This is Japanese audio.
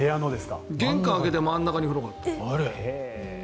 玄関を開けて真ん中に風呂があった。